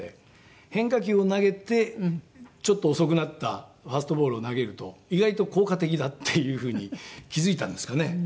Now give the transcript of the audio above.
変化球を投げてちょっと遅くなったファストボールを投げると意外と効果的だっていう風に気付いたんですかね。